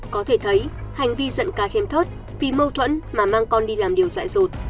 có thể thấy hành vi giận ca chém thớt vì mâu thuẫn mà mang con đi làm điều dại dột